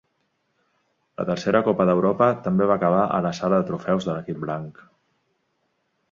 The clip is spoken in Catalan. La tercera Copa d'Europa també va acabar a la sala de trofeus de l'equip blanc.